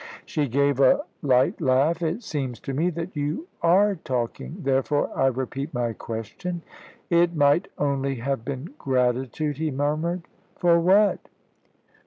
She gave a light laugh. "It seems to me that you are talking; therefore I repeat my question." "It might only have been gratitude," he murmured. "For what?"